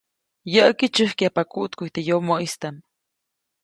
Yäʼki, tsyäjkyajpa kuʼtkuʼy teʼ yomoʼistaʼm.